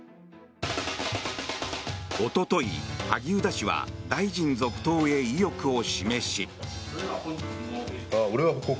おととい、萩生田氏は大臣続投へ意欲を示し。